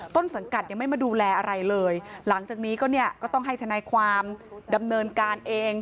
ต้นสังกัดยังไม่มาดูแลอะไรเลยหลังจากนี้ก็เนี่ยก็ต้องให้ทนายความดำเนินการเอง